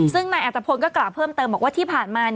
ซึ่งนายอัตภพลก็กล่าวเพิ่มเติมบอกว่าที่ผ่านมา